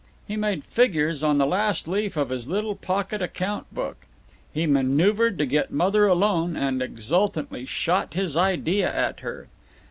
He made figures on the last leaf of his little pocket account book. He manoeuvered to get Mother alone, and exultantly shot his idea at her.